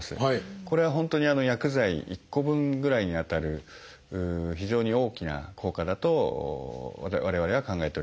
これは本当に薬剤１個分ぐらいにあたる非常に大きな効果だと我々は考えております。